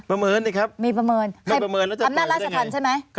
ประเมินนี่ครับมีประเมินทำหน้าราชธรรมใช่ไหม